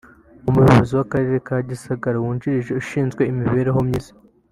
Umuyobozi w’Akarere ka Gisagara wungirije ushinzwe imibereho myiza